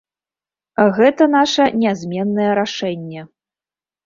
Гэта наша нязменнае рашэнне.